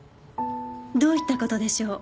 どういった事でしょう？